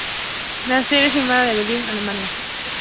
La serie es filmada en Berlín, Alemania.